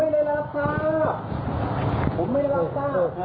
ลุงรัก